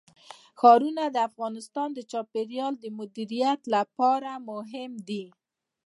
ښارونه د افغانستان د چاپیریال د مدیریت لپاره مهم دي.